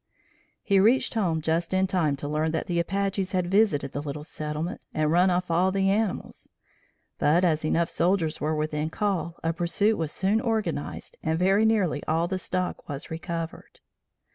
He reached home just in time to learn that the Apaches had visited the little settlement and run off all the animals. But as enough soldiers were within call, a pursuit was soon organized and very nearly all the stock was recovered.